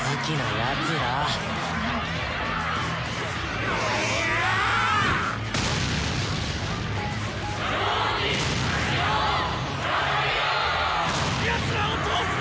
やつらを通すな！